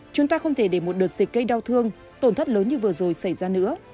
chúng ta không thể để một đợt dịch gây đau thương tổn thất lớn như vừa rồi xảy ra nữa